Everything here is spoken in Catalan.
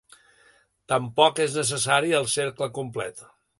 Tampoc és necessari el cercle complet.